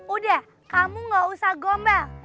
udah kamu gak usah gombal